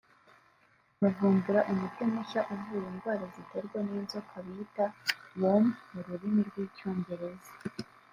bavumbura umuti mushya uvura indwara ziterwa n’inzoka bita “worm” mu rurimi rw’Icyongereza